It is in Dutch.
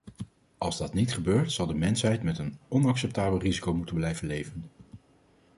Als dat niet gebeurt zal de mensheid met een onacceptabel risico moeten blijven leven.